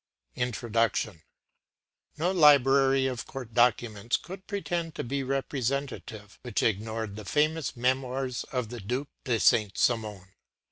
INTRODUCTION No library of Court documents could pretend to be representative which ignored the famous “Memoirs” of the Duc de Saint Simon.